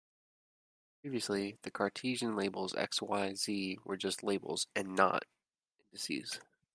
Previously, the Cartesian labels x, y, z were just labels and "not" indices.